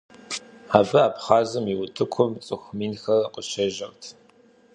Абы Абхъазым и утыкум цӏыху минхэр къыщежьэрт.